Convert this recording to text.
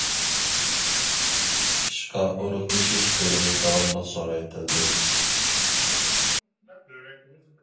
ئىشقا ئورۇنلىشىش كۆلىمى داۋاملىق زورايتىلدى.